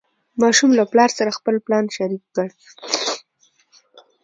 ماشوم له پلار سره خپل پلان شریک کړ